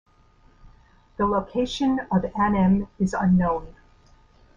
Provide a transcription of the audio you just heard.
The location of Anem is unknown.